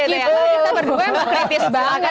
kita berduanya emang kritis banget